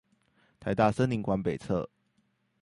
臺大森林館北側